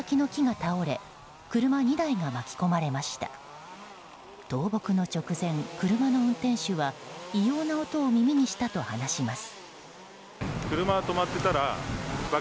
倒木の直前、車の運転手は異様な音を耳にしたと話します。